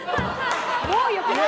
もう良くない？